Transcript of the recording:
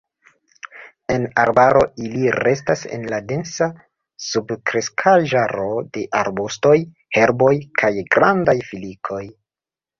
En arbaro, ili restas en la densa subkreskaĵaro de arbustoj, herboj kaj grandaj filikoj.